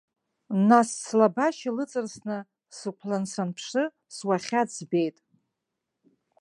Нас слабашьа лыҵарсны, сықәлан санԥшы, суахьад збеит.